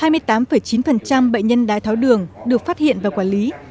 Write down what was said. hai mươi tám chín bệnh nhân đái tháo đường được phát hiện và quản lý